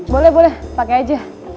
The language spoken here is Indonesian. boleh boleh pake aja